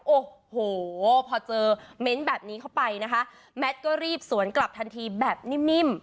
โอ้โหพอเจอเม้นต์แบบนี้เข้าไปนะคะแมทก็รีบสวนกลับทันทีแบบนิ่ม